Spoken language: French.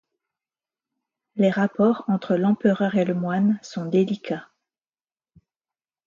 Les rapports entre l'empereur et le moine seront délicats.